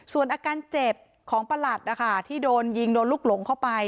ส่วนอาการเจ็บของประหลัดนะคะที่โดนยิงโดนลูกหลงเข้าไป